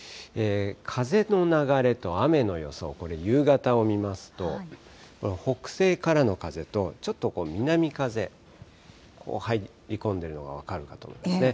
風の流と雨の予想、これ、夕方を見ますと、北西からの風と、ちょっと南風、入り込んでるのが分かるかと思いますね。